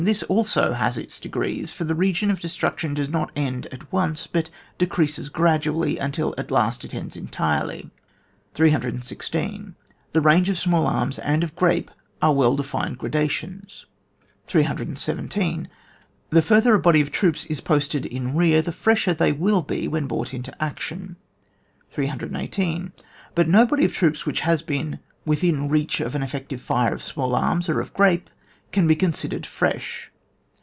This also has its degrees, for the region of destruction does not end at once, but decreases gradually, until at last it ends entirely. 316. The range of small arms and of grape, are well defined gradations. 152 ON WAR. 317. The ftirther a body of troops is posted in rear, the fresher they will be when brought into action. 818. But no body of troops which has been within reach of an effective fire of small arms, or of grape, can be considered fresh.